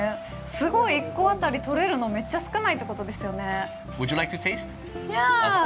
すごい１個あたり採れるのめっちゃ少ないってことですよね